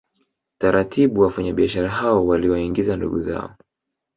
Taratibu wafanyabiashara hao waliwaingiza ndugu zao